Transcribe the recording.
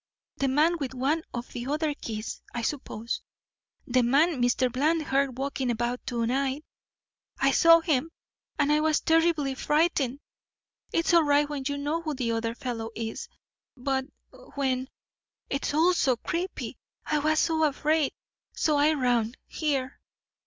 The man with one of the other keys, I suppose. The man Mr. Bland heard walking about to night. I saw him and I was terribly frightened. It's all right when you know who the other fellow is, but when it's all so creepy I was afraid. So I ran here."